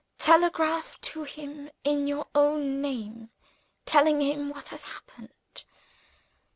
"Telegraph to him in your own name, telling him what has happened.